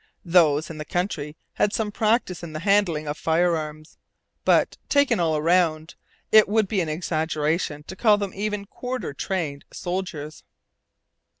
Those in the country had some practice in the handling of firearms. But, taken all round, it would be an exaggeration to call them even quarter trained soldiers.